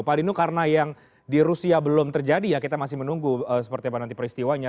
pak dino karena yang di rusia belum terjadi ya kita masih menunggu seperti apa nanti peristiwanya